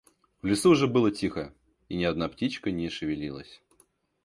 В лесу уже было тихо, и ни одна птичка не шевелилась.